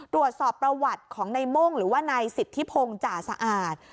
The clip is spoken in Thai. ตรวจสอบประวัติของในโม่งหรือว่านายสิทธิพงศ์จ่าสะอาด